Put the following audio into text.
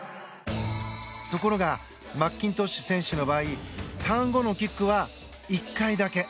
ところがマッキントッシュ選手の場合ターン後のキックは１回だけ。